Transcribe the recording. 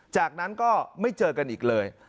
จากนั้นก็ไม่เจอกันอีกเลย